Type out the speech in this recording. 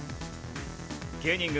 芸人軍